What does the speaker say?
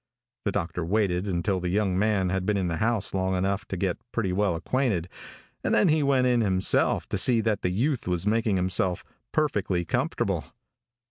The doctor waited until the young man had been in the house long enough to get pretty well acquainted, and then he went in himself to see that the youth was making himself perfectly comfortable.